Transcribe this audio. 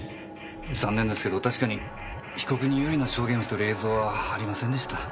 残念ですけど確かに被告に有利な証言をしてる映像はありませんでした。